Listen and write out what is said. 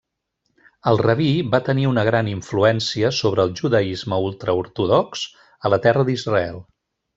El rabí va tenir una gran influència sobre el judaisme ultraortodox a la Terra d'Israel.